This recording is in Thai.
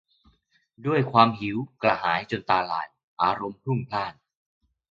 ด้วยความหิวกระหายจนตาลาย อารมณ์พลุ่งพล่าน